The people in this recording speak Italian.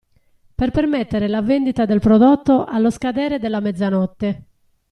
Per permettere la vendita del prodotto allo scadere della mezzanotte.